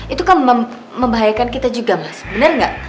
itu kan membahayakan kita juga mas bener gak